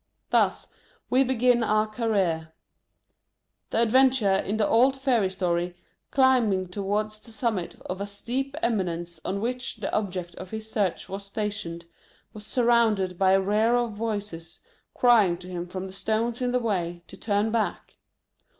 Thus, we begin our career ! The adventurer in the old fairy story, climbing towards the summit of a steep eminence on which the object of his search was stationed, was sur rounded by a roar of voices, crying to him, from the stones in the way, to turn back.